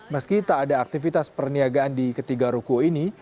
meski tak ada aktivitas perniagaan di ketiga ruko ini